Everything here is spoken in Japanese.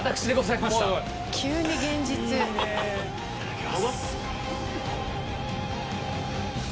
いただきます。